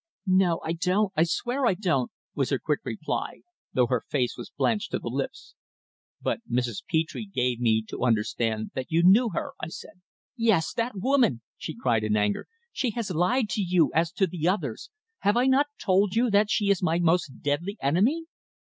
"No, I don't. I swear I don't," was her quick reply, though her face was blanched to the lips. "But Mrs. Petre gave me to understand that you knew her," I said. "Yes that woman!" she cried in anger. "She has lied to you, as to the others. Have I not told you that she is my most deadly enemy?"